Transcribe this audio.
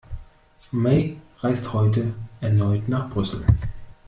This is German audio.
May reist heute erneut nach Brüssel